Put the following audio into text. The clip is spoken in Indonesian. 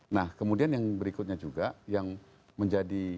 nah kemudian yang berikutnya juga yang menjadi komitmen beliau